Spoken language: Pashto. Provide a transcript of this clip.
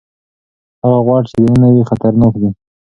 هغه غوړ چې دننه وي خطرناک دي.